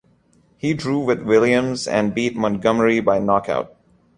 He drew with Williams, and beat Montgomery by knockout.